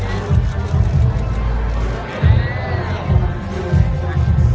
สโลแมคริปราบาล